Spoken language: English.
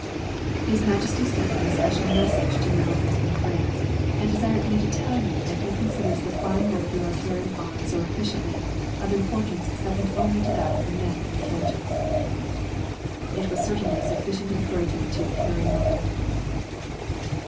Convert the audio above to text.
"His Majesty sent an especial message to you workers in France, and desired me to tell you he considers the fine work you are carrying on so efficiently, of importance second only to that of the men in the trenches." It was certainly a sufficient encouragement to "carry on."